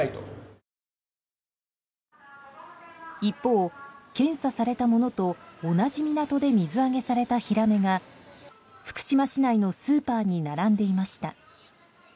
一方、検査されたものと同じ港で水揚げされたヒラメが福島市内のスーパーに並んでいました。